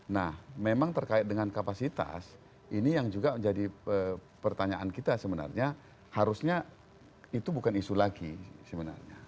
nah memang terkait dengan kapasitas ini yang juga menjadi pertanyaan kita sebenarnya harusnya itu bukan isu lagi sebenarnya